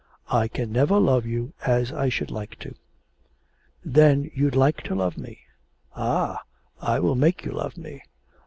I can never love you as I should like to.' 'Then you'd like to love me. Ah, I will make you love me..